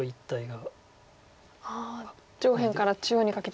ああ上辺から中央にかけての。